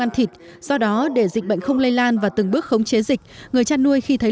ăn thịt do đó để dịch bệnh không lây lan và từng bước khống chế dịch người chăn nuôi khi thấy